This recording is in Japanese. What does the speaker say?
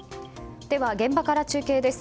では、現場から中継です。